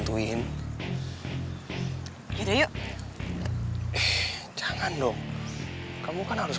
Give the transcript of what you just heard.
tidak ada sekali nih